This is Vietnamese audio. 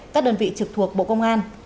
các đơn vị trực thuộc bộ công an